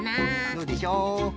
どうでしょう？